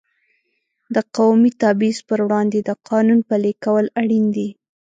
د قومي تبعیض پر وړاندې د قانون پلي کول اړین دي.